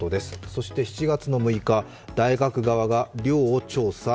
そして７月６日、大学側が寮を調査。